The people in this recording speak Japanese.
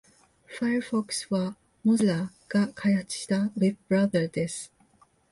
Firefox は Mozilla が開発したウェブブラウザーです。